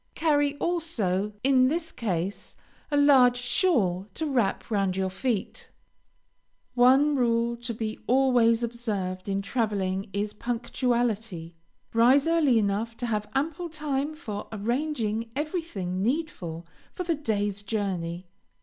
Carry also, in this case, a large shawl to wrap round your feet. One rule to be always observed in traveling is punctuality. Rise early enough to have ample time for arranging everything needful for the day's journey.